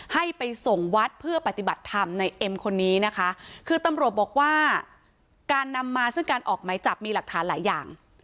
ให้ไปส่งวัดเพื่อปฏิบัติธรรมในเอ็มคนนี้นะคะคือตำรวจบอกว่าการนำมาซึ่งการออกไหมจับมีหลักฐานหลายอย่าง